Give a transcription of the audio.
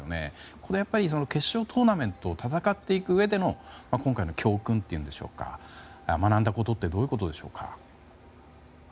これは決勝トーナメント戦っていくうえでも今回の教訓というんでしょうか学んだことってどういうことでしょうか。